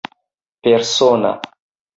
persona